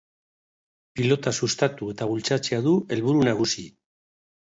Pilota sustatu eta bultzatzea du helburu nagusi.